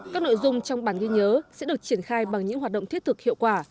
các nội dung trong bản ghi nhớ sẽ được triển khai bằng những hoạt động thiết thực hiệu quả